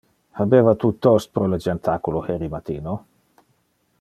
Habeva tu toast pro le jentaculo heri matino?